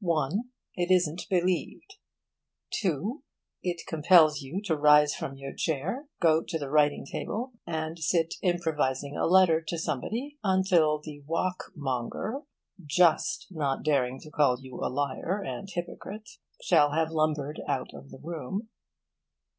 (1) It isn't believed. (2) It compels you to rise from your chair, go to the writing table, and sit improvising a letter to somebody until the walkmonger (just not daring to call you liar and hypocrite) shall have lumbered out of the room.